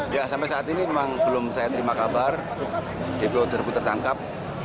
ya sampai saat ini memang belum saya terima kabar dpo tersebut tertangkap